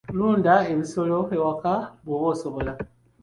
Lunda ebisolo ewaka bw'oba osobola.